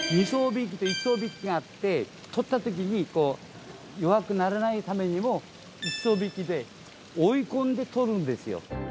２艘引きと１艘引きがあって、取ったときに弱くならないためにも、１艘引きで、追い込んで取るんですよ。